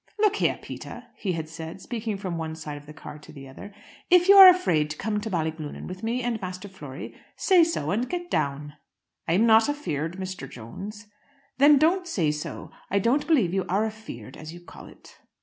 "Look here, Peter," he had said, speaking from one side of the car to the other, "if you are afraid to come to Ballyglunin with me and Master Flory, say so, and get down." "I'm not afeared, Mr. Jones." "Then don't say so. I don't believe you are afeared as you call it."